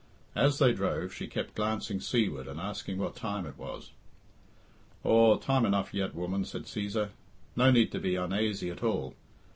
As they drove, she kept glancing seaward and asking what time it was. "Aw, time enough yet, woman," said Cæsar. "No need to be unaisy at all.